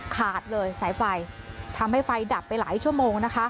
ขาดเลยสายไฟทำให้ไฟดับไปหลายชั่วโมงนะคะ